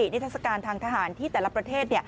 นิทัศกาลทางทหารที่แต่ละประเทศ